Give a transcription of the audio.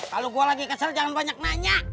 kalau gue lagi kesel jangan banyak nanya